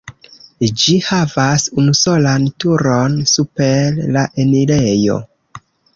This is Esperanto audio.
Ĝi havas unusolan turon super la enirejo.